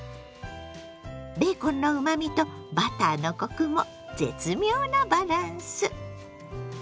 ベーコンのうまみとバターのコクも絶妙なバランス！